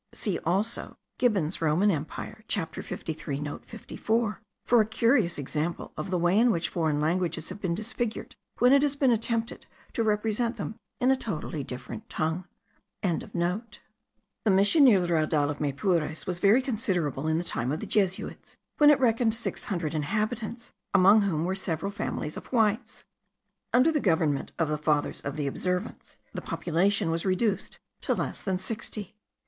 See also Gibbon's Roman Empire chapter 53 note 54, for a curious example of the way in which foreign languages have been disfigured when it has been attempted to represent them in a totally different tongue.) The Mission near the raudal of Maypures was very considerable in the time of the Jesuits, when it reckoned six hundred inhabitants, among whom were several families of whites. Under the government of the Fathers of the Observance the population was reduced to less than sixty.